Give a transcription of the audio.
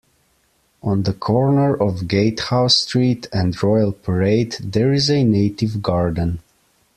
On the corner of Gatehouse Street and Royal Parade there is a native garden.